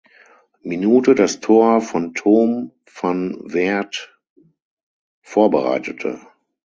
Minute das Tor von Tom van Weert vorbereitete.